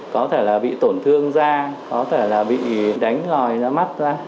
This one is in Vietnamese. có thể là bị tổn thương da có thể là bị đánh lòi mắt ra